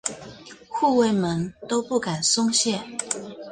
护卫们都不敢松懈。